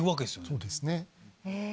そうですね。